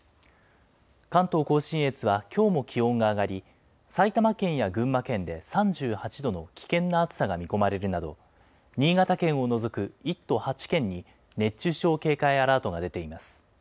関東甲信越はきょうも気温が上がり、埼玉県や群馬県で３８度の危険な暑さが見込まれるなど、新潟県を除く１都８県に熱中症警戒アラートが出ています。